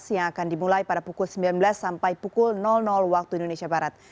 yang akan dimulai pada pukul sembilan belas sampai pukul waktu indonesia barat